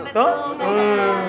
betul tuh kawan